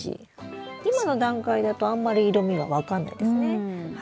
今の段階だとあんまり色みは分かんないですね。